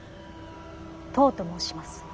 トウと申します。